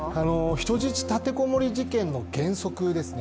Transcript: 人質立てこもり事件の原則ですね。